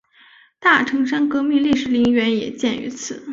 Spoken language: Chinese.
大城山革命烈士陵园也建于此。